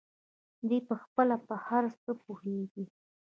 دى پخپله په هر څه پوهېږي.